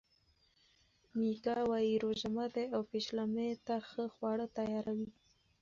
میکا وايي روژه ماتي او پیشلمي ته ښه خواړه تیاروي.